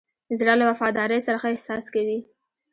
زړه له وفادارۍ سره ښه احساس کوي.